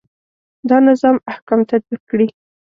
دا نظام احکام تطبیق کړي.